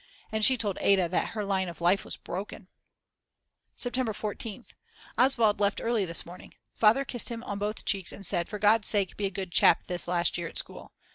And she told Ada that her line of life was broken!! September 14th. Oswald left early this morning, Father kissed him on both cheeks and said: For God's sake be a good chap this last year at school.